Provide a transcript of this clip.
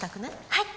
はい。